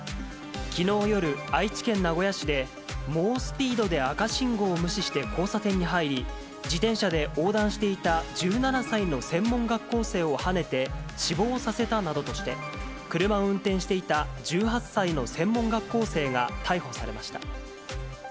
きのう夜、愛知県名古屋市で、猛スピードで赤信号を無視して交差点に入り、自転車で横断していた１７歳の専門学校生をはねて死亡させたなどとして、車を運転していた１８歳の専門学校生が逮捕されました。